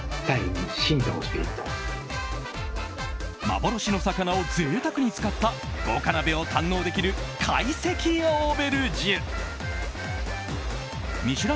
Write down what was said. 幻の魚を贅沢に使った豪華鍋を堪能できる懐石オーベルジュ。